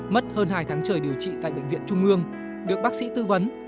mất hơn hai tháng trời điều trị tại bệnh viện trung ương được bác sĩ tư vấn